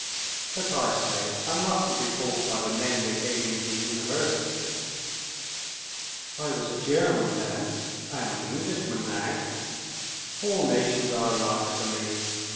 But, I say, I mustn't be called by the name they gave me at the University! I was a German then I am an Englishman now. All nations are alike to me.